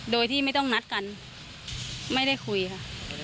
โดยที่ไม่ต้องนัดกันไม่ได้คุยค่ะ